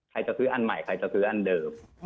จะซื้ออันใหม่ใครจะซื้ออันเดิม